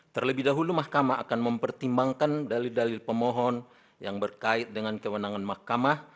terlebih dahulu mahkamah akan mempertimbangkan dalil dalil pemohon yang berkait dengan kewenangan mahkamah